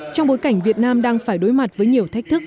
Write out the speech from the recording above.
trong bối cảnh việt nam đang phải đối mặt với nhiều thách thức